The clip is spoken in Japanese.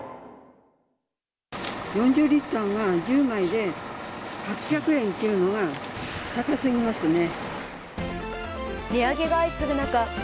４０リットルが１０枚で、８００円っていうのは高すぎますね。